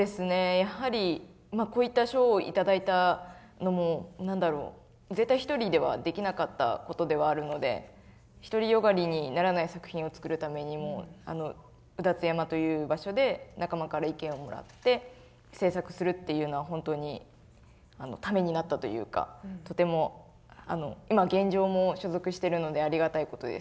やはりこういった賞を頂いたのも何だろう絶対１人ではできなかったことではあるので独り善がりにならない作品を作るためにも卯辰山という場所で仲間から意見をもらって制作するっていうのはほんとにためになったというかとても今現状も所属してるのでありがたいことですね。